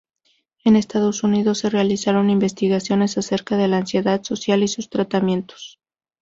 En Estados Unidos se realizaron investigaciones acerca de la ansiedad social y sus tratamientos.